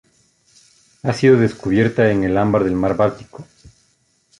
Ha sido descubierta en el ámbar del Mar Báltico.